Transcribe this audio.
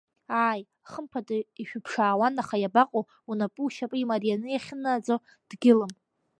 Ааи, хымԥада, ишәыԥшаауан, аха иабаҟоу, унапы-ушьапы имарианы иахьынаӡо дгьылым.